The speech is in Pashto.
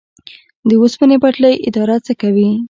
د اوسپنې پټلۍ اداره څه کوي؟